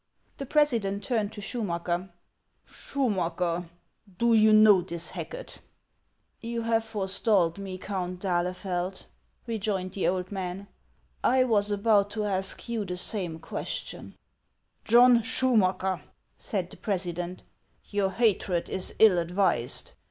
The president turned to Schurnacker :" Schumacker, do you know this Hacket ?" HANS OF ICELAND You have forestalled me, Count d'AMeieid,* rejoined the old man : 1 was about to ask you the same question,' " John Schumaeker," said the president, TOUT hatred is ill advised.